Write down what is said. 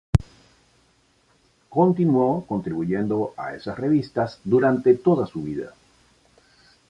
Continuó contribuyendo a esas revistas durante toda su vida.